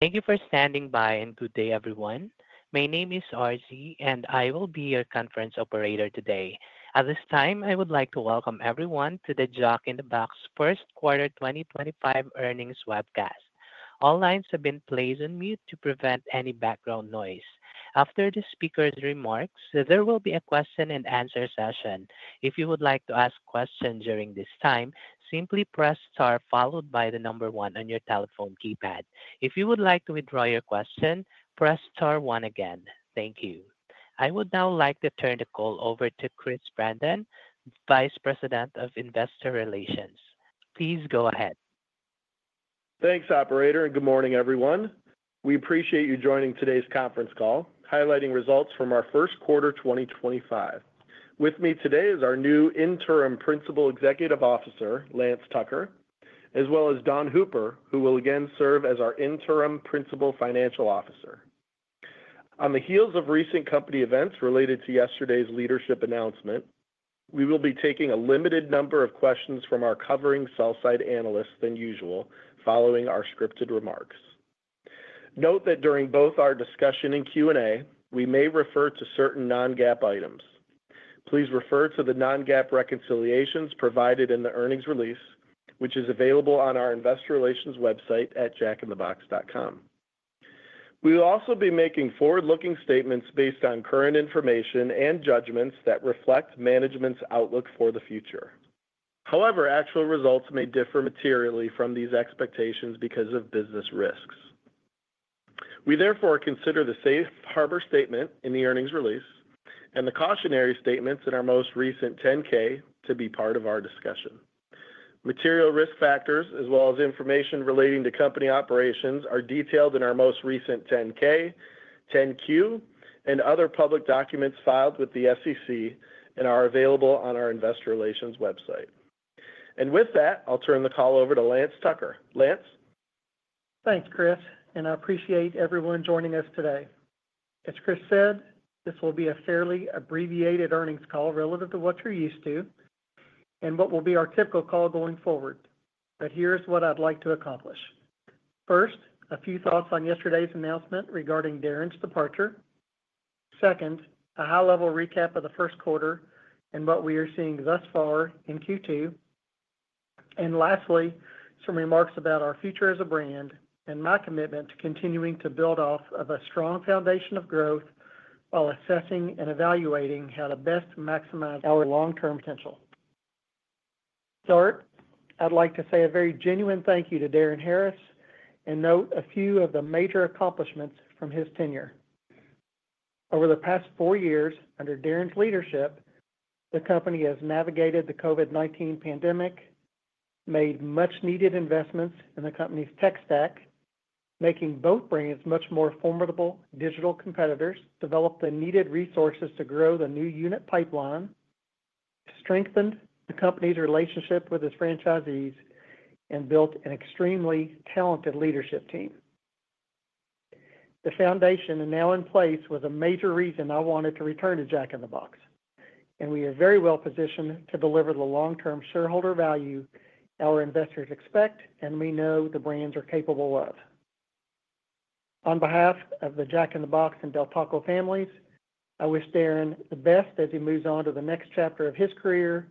Thank you for standing by and good day, everyone. My name is Arzi, and I will be your conference operator today. At this time, I would like to welcome everyone to the Jack in the Box First Quarter 2025 Earnings Webcast. All lines have been placed on mute to prevent any background noise. After the speaker's remarks, there will be a question-and-answer session. If you would like to ask a question during this time, simply press star followed by the number one on your telephone keypad. If you would like to withdraw your question, press star one again. Thank you. I would now like to turn the call over to Chris Brandon, Vice President of Investor Relations. Please go ahead. Thanks, Operator, and good morning, everyone. We appreciate you joining today's conference call, highlighting results from our first quarter 2025. With me today is our new Interim Principal Executive Officer, Lance Tucker, as well as Dawn Hooper, who will again serve as our Interim Principal Financial Officer. On the heels of recent company events related to yesterday's leadership announcement, we will be taking a limited number of questions from our covering sell-side analysts than usual, following our scripted remarks. Note that during both our discussion and Q&A, we may refer to certain non-GAAP items. Please refer to the non-GAAP reconciliations provided in the earnings release, which is available on our investor relations website at jackinthebox.com. We will also be making forward-looking statements based on current information and judgments that reflect management's outlook for the future. However, actual results may differ materially from these expectations because of business risks. We therefore consider the safe harbor statement in the earnings release and the cautionary statements in our most recent 10-K to be part of our discussion. Material risk factors, as well as information relating to company operations, are detailed in our most recent 10-K, 10-Q, and other public documents filed with the SEC and are available on our investor relations website. And with that, I'll turn the call over to Lance Tucker. Lance. Thanks, Chris, and I appreciate everyone joining us today. As Chris said, this will be a fairly abbreviated earnings call relative to what you're used to and what will be our typical call going forward. But here's what I'd like to accomplish. First, a few thoughts on yesterday's announcement regarding Darin's departure. Second, a high-level recap of the first quarter and what we are seeing thus far in Q2. And lastly, some remarks about our future as a brand and my commitment to continuing to build off of a strong foundation of growth while assessing and evaluating how to best maximize our long-term potential. To start, I'd like to say a very genuine thank you to Darin Harris and note a few of the major accomplishments from his tenure. Over the past four years, under Darin's leadership, the company has navigated the COVID-19 pandemic, made much-needed investments in the company's tech stack, making both brands much more formidable digital competitors, developed the needed resources to grow the new unit pipeline, strengthened the company's relationship with its franchisees, and built an extremely talented leadership team. The foundation now in place was a major reason I wanted to return to Jack in the Box, and we are very well positioned to deliver the long-term shareholder value our investors expect and we know the brands are capable of. On behalf of the Jack in the Box and Del Taco families, I wish Darin the best as he moves on to the next chapter of his career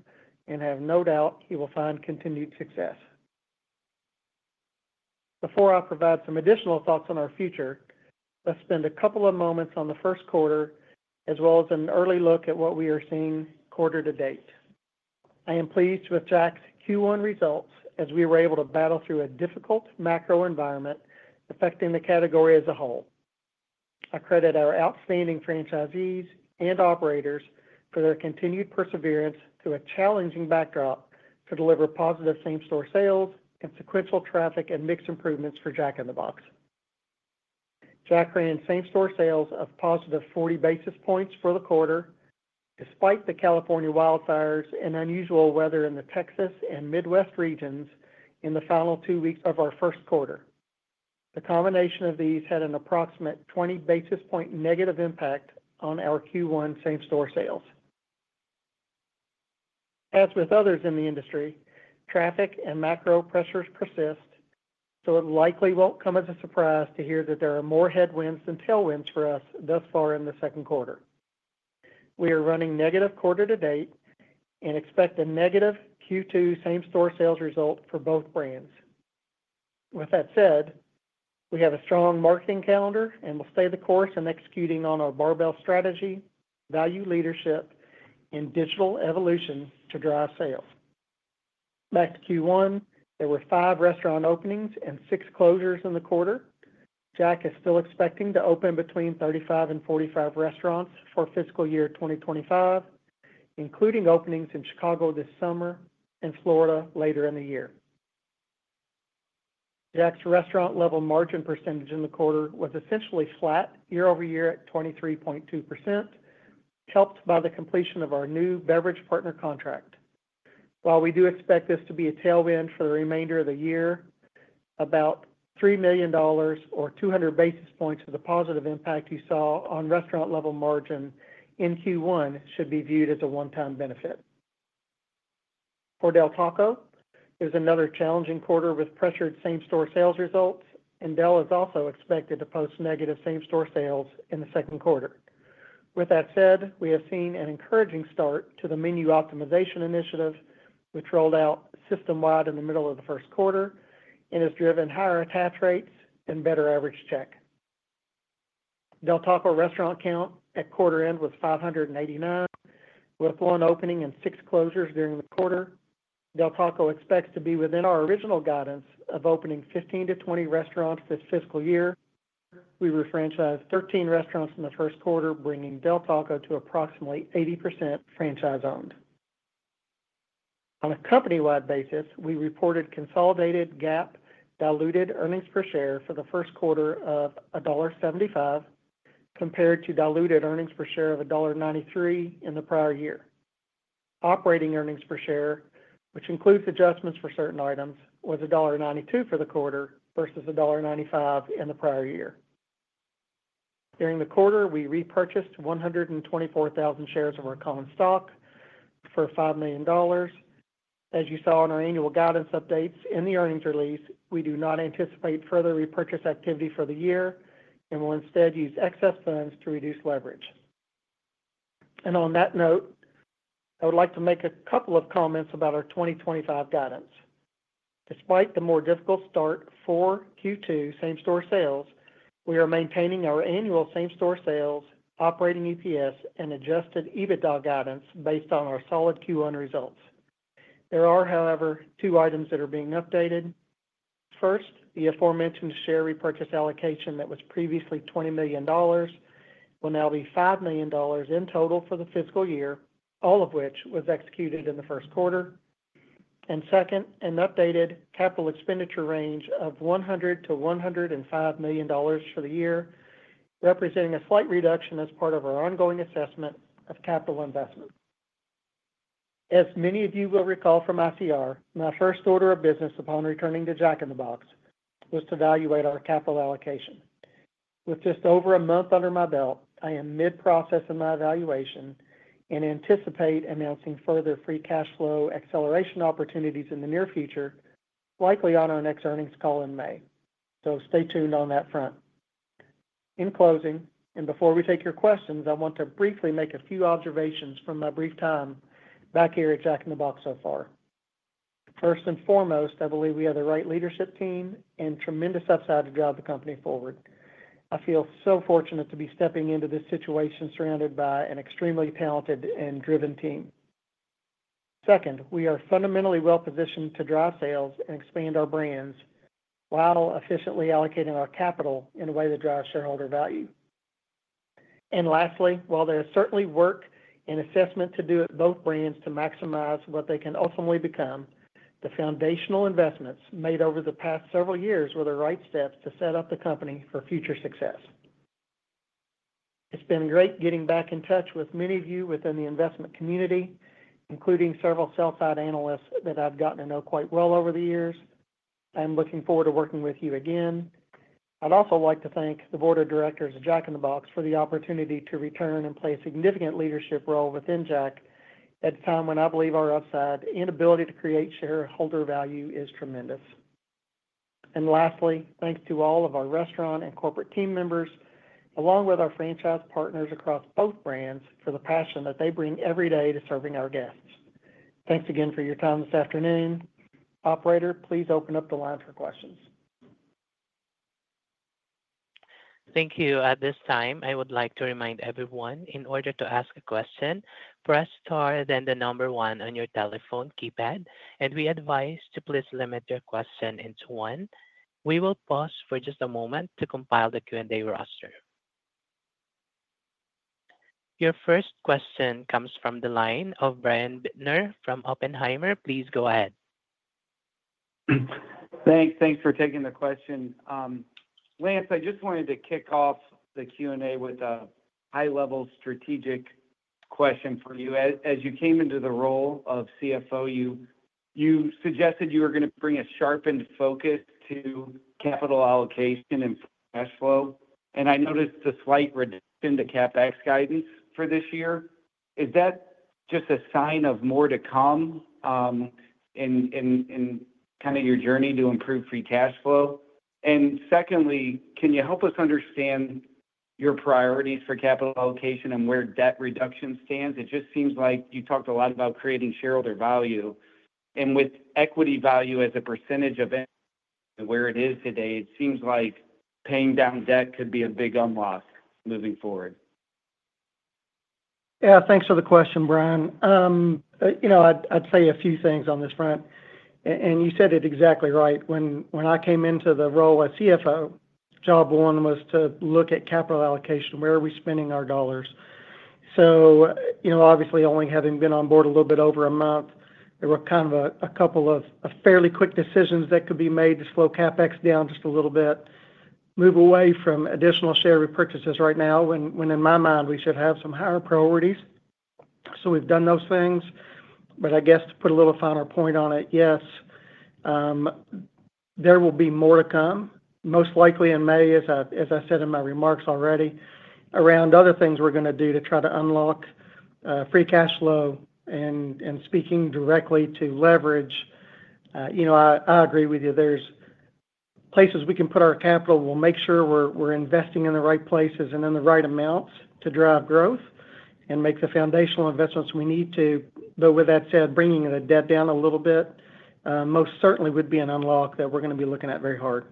and have no doubt he will find continued success. Before I provide some additional thoughts on our future, let's spend a couple of moments on the first quarter, as well as an early look at what we are seeing quarter to date. I am pleased with Jack's Q1 results as we were able to battle through a difficult macro environment affecting the category as a whole. I credit our outstanding franchisees and operators for their continued perseverance through a challenging backdrop to deliver positive same-store sales, consequential traffic, and mixed improvements for Jack in the Box. Jack ran same-store sales of positive 40 basis points for the quarter, despite the California wildfires and unusual weather in the Texas and Midwest regions in the final two weeks of our first quarter. The combination of these had an approximate 20 basis point negative impact on our Q1 same-store sales. As with others in the industry, traffic and macro pressures persist, so it likely won't come as a surprise to hear that there are more headwinds than tailwinds for us thus far in the second quarter. We are running negative quarter to date and expect a negative Q2 same-store sales result for both brands. With that said, we have a strong marketing calendar and will stay the course in executing on our barbell strategy, value leadership, and digital evolution to drive sales. Back to Q1, there were five restaurant openings and six closures in the quarter. Jack is still expecting to open between 35 and 45 restaurants for fiscal year 2025, including openings in Chicago this summer and Florida later in the year. Jack's restaurant-level margin percentage in the quarter was essentially flat year-over-year at 23.2%, helped by the completion of our new beverage partner contract. While we do expect this to be a tailwind for the remainder of the year, about $3 million or 200 basis points of the positive impact you saw on restaurant-level margin in Q1 should be viewed as a one-time benefit. For Del Taco, it was another challenging quarter with pressured same-store sales results, and Del is also expected to post negative same-store sales in the second quarter. With that said, we have seen an encouraging start to the menu optimization initiative, which rolled out system-wide in the middle of the first quarter and has driven higher attach rates and better average check. Del Taco restaurant count at quarter-end was 589, with one opening and six closures during the quarter. Del Taco expects to be within our original guidance of opening 15-20 restaurants this fiscal year. We refranchised 13 restaurants in the first quarter, bringing Del Taco to approximately 80% franchise-owned. On a company-wide basis, we reported consolidated GAAP diluted earnings per share for the first quarter of $1.75, compared to diluted earnings per share of $1.93 in the prior year. Operating earnings per share, which includes adjustments for certain items, was $1.92 for the quarter versus $1.95 in the prior year. During the quarter, we repurchased 124,000 shares of our common stock for $5 million. As you saw in our annual guidance updates and the earnings release, we do not anticipate further repurchase activity for the year and will instead use excess funds to reduce leverage. And on that note, I would like to make a couple of comments about our 2025 guidance. Despite the more difficult start for Q2 same-store sales, we are maintaining our annual same-store sales, operating EPS, and adjusted EBITDA guidance based on our solid Q1 results. There are, however, two items that are being updated. First, the aforementioned share repurchase allocation that was previously $20 million will now be $5 million in total for the fiscal year, all of which was executed in the first quarter, and second, an updated capital expenditure range of $100 million-$105 million for the year, representing a slight reduction as part of our ongoing assessment of capital investment. As many of you will recall from ICR, my first order of business upon returning to Jack in the Box was to evaluate our capital allocation. With just over a month under my belt, I am mid-processing my evaluation and anticipate announcing further free cash flow acceleration opportunities in the near future, likely on our next earnings call in May. So stay tuned on that front. In closing, and before we take your questions, I want to briefly make a few observations from my brief time back here at Jack in the Box so far. First and foremost, I believe we have the right leadership team and tremendous upside to drive the company forward. I feel so fortunate to be stepping into this situation surrounded by an extremely talented and driven team. Second, we are fundamentally well-positioned to drive sales and expand our brands while efficiently allocating our capital in a way that drives shareholder value. And lastly, while there is certainly work and assessment to do at both brands to maximize what they can ultimately become, the foundational investments made over the past several years were the right steps to set up the company for future success. It's been great getting back in touch with many of you within the investment community, including several sell-side analysts that I've gotten to know quite well over the years. I'm looking forward to working with you again. I'd also like to thank the board of directors of Jack in the Box for the opportunity to return and play a significant leadership role within Jack at a time when I believe our upside and ability to create shareholder value is tremendous. And lastly, thanks to all of our restaurant and corporate team members, along with our franchise partners across both brands for the passion that they bring every day to serving our guests. Thanks again for your time this afternoon. Operator, please open up the line for questions. Thank you. At this time, I would like to remind everyone, in order to ask a question, press star then the number one on your telephone keypad, and we advise to please limit your question to one. We will pause for just a moment to compile the Q&A roster. Your first question comes from the line of Brian Bittner from Oppenheimer. Please go ahead. Thanks. Thanks for taking the question. Lance, I just wanted to kick off the Q&A with a high-level strategic question for you. As you came into the role of CFO, you suggested you were going to bring a sharpened focus to capital allocation and cash flow, and I noticed a slight reduction to CapEx guidance for this year. Is that just a sign of more to come in kind of your journey to improve free cash flow, and secondly, can you help us understand your priorities for capital allocation and where debt reduction stands? It just seems like you talked a lot about creating shareholder value, and with equity value as a percentage of where it is today, it seems like paying down debt could be a big unlock moving forward. Yeah. Thanks for the question, Brian. You know, I'd say a few things on this front, and you said it exactly right. When I came into the role as CFO, job one was to look at capital allocation, where are we spending our dollars, so obviously, only having been on board a little bit over a month, there were kind of a couple of fairly quick decisions that could be made to slow CapEx down just a little bit, move away from additional share repurchases right now, when in my mind we should have some higher priorities, so we've done those things, but I guess to put a little finer point on it, yes, there will be more to come, most likely in May, as I said in my remarks already, around other things we're going to do to try to unlock free cash flow and speaking directly to leverage. You know, I agree with you. There's places we can put our capital. We'll make sure we're investing in the right places and in the right amounts to drive growth and make the foundational investments we need to. But with that said, bringing the debt down a little bit most certainly would be an unlock that we're going to be looking at very hard.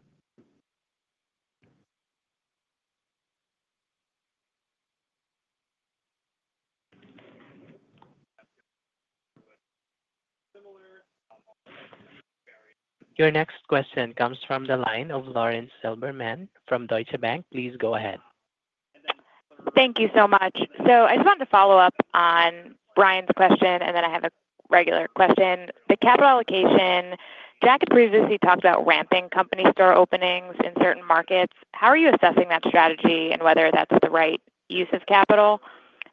Your next question comes from the line of Lauren Silberman from Deutsche Bank. Please go ahead. Thank you so much. So I just wanted to follow up on Brian's question, and then I have a regular question. The capital allocation, Jack had previously talked about ramping company store openings in certain markets. How are you assessing that strategy and whether that's the right use of capital?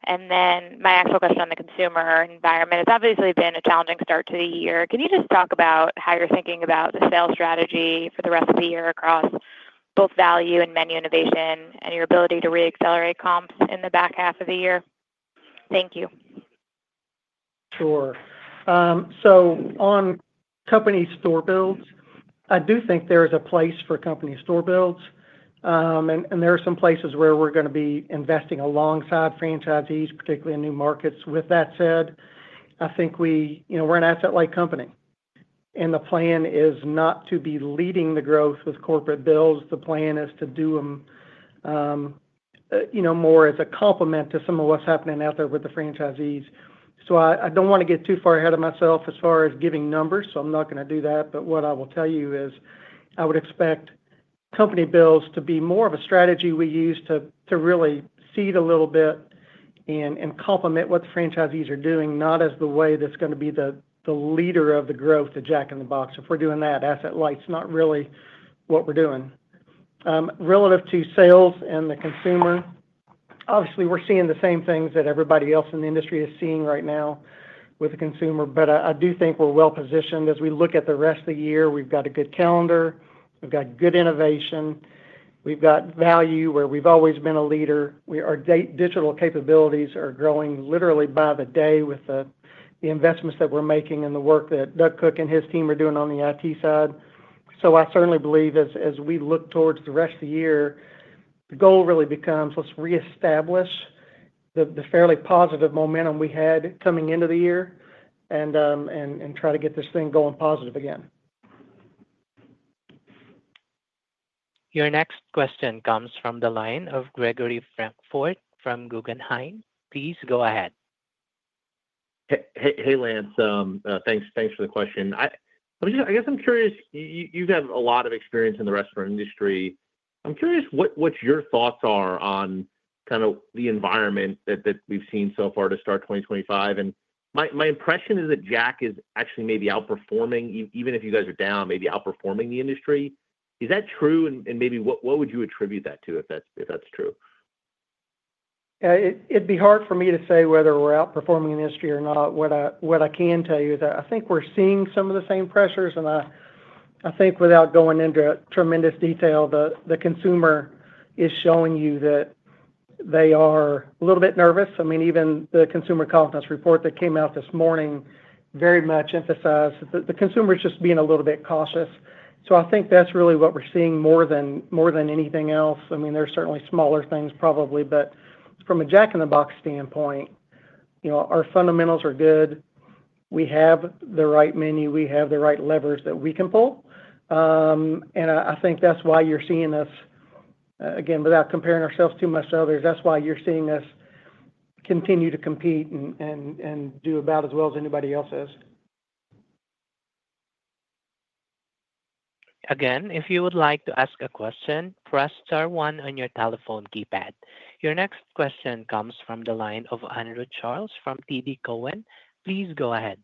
And then my actual question on the consumer environment, it's obviously been a challenging start to the year. Can you just talk about how you're thinking about the sales strategy for the rest of the year across both value and menu innovation and your ability to re-accelerate comps in the back half of the year? Thank you. Sure, so on company store builds, I do think there is a place for company store builds, and there are some places where we're going to be investing alongside franchisees, particularly in new markets. With that said, I think we're an asset-light company, and the plan is not to be leading the growth with corporate builds. The plan is to do them more as a complement to some of what's happening out there with the franchisees, so I don't want to get too far ahead of myself as far as giving numbers, so I'm not going to do that. But what I will tell you is I would expect company builds to be more of a strategy we use to really seed a little bit and complement what the franchisees are doing, not as the way that's going to be the leader of the growth to Jack in the Box. If we're doing that asset light, it's not really what we're doing. Relative to sales and the consumer, obviously we're seeing the same things that everybody else in the industry is seeing right now with the consumer. But I do think we're well-positioned as we look at the rest of the year. We've got a good calendar. We've got good innovation. We've got value where we've always been a leader. Our digital capabilities are growing literally by the day with the investments that we're making and the work that Doug Cook and his team are doing on the IT side. So I certainly believe as we look towards the rest of the year, the goal really becomes let's reestablish the fairly positive momentum we had coming into the year and try to get this thing going positive again. Your next question comes from the line of Gregory Francfort from Guggenheim. Please go ahead. Hey, Lance. Thanks for the question. I guess I'm curious. You've had a lot of experience in the restaurant industry. I'm curious what your thoughts are on kind of the environment that we've seen so far to start 2025. And my impression is that Jack is actually maybe outperforming, even if you guys are down, maybe outperforming the industry. Is that true? And maybe what would you attribute that to if that's true? It'd be hard for me to say whether we're outperforming the industry or not. What I can tell you is I think we're seeing some of the same pressures. And I think without going into tremendous detail, the consumer is showing you that they are a little bit nervous. I mean, even the consumer confidence report that came out this morning very much emphasized that the consumer is just being a little bit cautious. So I think that's really what we're seeing more than anything else. I mean, there are certainly smaller things probably. But from a Jack in the Box standpoint, our fundamentals are good. We have the right menu. We have the right levers that we can pull. I think that's why you're seeing us, again, without comparing ourselves too much to others, that's why you're seeing us continue to compete and do about as well as anybody else is. Again, if you would like to ask a question, press star one on your telephone keypad. Your next question comes from the line of Andrew Charles from TD Cowen. Please go ahead.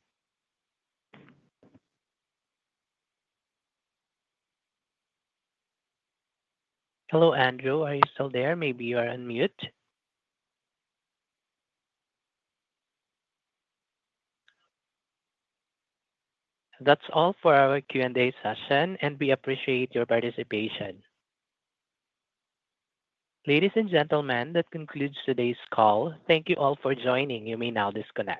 Hello, Andrew. Are you still there? Maybe you are on mute. That's all for our Q&A session, and we appreciate your participation. Ladies and gentlemen, that concludes today's call. Thank you all for joining. You may now disconnect.